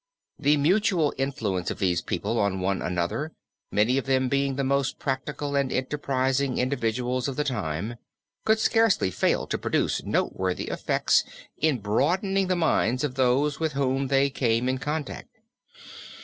The mutual influence of these people on one another, many of them being the most practical and enterprising individuals of the time, could scarcely fail to produce noteworthy effects in broadening the minds of those with whom they came in contact.